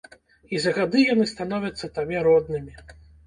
І за гады яны становяцца табе роднымі.